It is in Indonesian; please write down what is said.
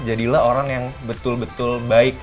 jadilah orang yang betul betul baik